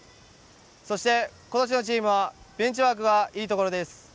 そして、今年のチームはベンチワークがいいところです。